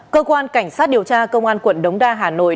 cơ quan cảnh sát điều tra công an quận đống đa hà nội